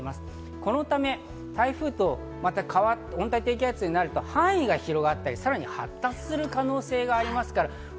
このため台風とまた温帯低気圧になると、範囲が広がったり、さらに発達する可能性があります。